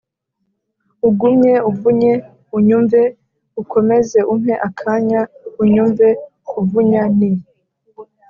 ugumye uvunye unyumve: ukomeze umpe akanya unyumve kuvunya ni